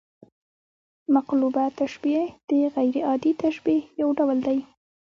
مقلوبه تشبیه د غـير عادي تشبیه یو ډول دئ.